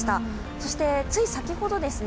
そして、つい先ほどですね